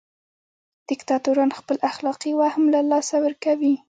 دیکتاتوران خپل اخلاقي وهم له لاسه ورکوي.